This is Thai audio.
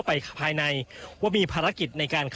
อันนี้คือเต็มร้อยเป็นเต็มร้อยเปอร์เซ็นต์แล้วนะครับ